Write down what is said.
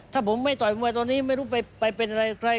ถ้าผมไม่ต่อยมวยตอนนี้ไม่รู้ไปเป็นอะไรใคร